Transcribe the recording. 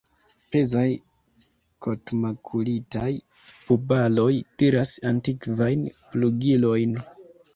Pezaj kotmakulitaj bubaloj tiras antikvajn plugilojn.